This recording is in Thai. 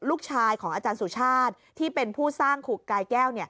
ลูกชายของอาจารย์สุชาติที่เป็นผู้สร้างขุกกายแก้ว